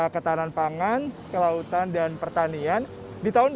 ketahanan pangan kelautan dan pertanian di tahun dua ribu delapan belas ada